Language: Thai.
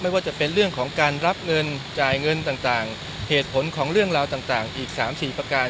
ว่าจะเป็นเรื่องของการรับเงินจ่ายเงินต่างเหตุผลของเรื่องราวต่างอีก๓๔ประการ